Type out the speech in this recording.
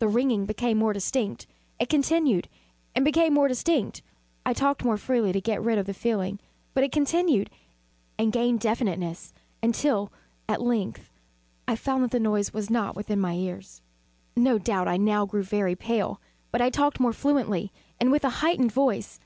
The ringing became more distinct: It continued and became more distinct: I talked more freely to get rid of the feeling: but it continued and gained definiteness until, at length, I found that the noise was not within my ears. No doubt I now grew very pale; but I talked more fluently, and with a heightened voice.